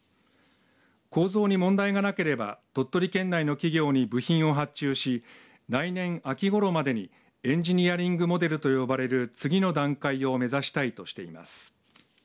構造に問題がなければ鳥取県内の企業に部品を発注し来年秋ごろまでにエンジニアリングモデルと呼ばれる次の段階を目指したいとしています。